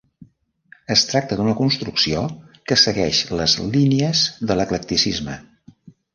Es tracta d'una construcció que segueix les línies de l'eclecticisme.